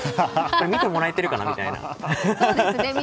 見てもらえてるかなみたいな。